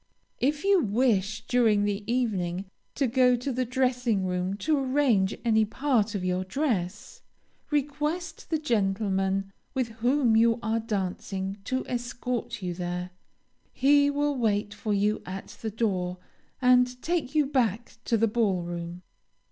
If you wish, during the evening, to go to the dressing room to arrange any part of your dress, request the gentleman with whom you are dancing to escort you there. He will wait for you at the door, and take you back to the ball room.